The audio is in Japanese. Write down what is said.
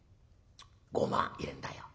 ごま入れんだよ。